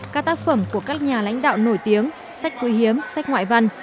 các tác phẩm của các nhà lãnh đạo nổi tiếng sách quý hiếm sách ngoại văn